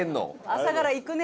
朝からいくね。